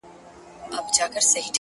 زما خبرو ته لا نوري چیغي وکړه!